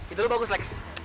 itu lu bagus reks